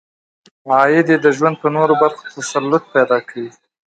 عاید یې د ژوند په نورو برخو تسلط پیدا کوي.